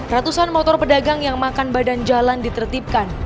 ratusan motor pedagang yang makan badan jalan ditertipkan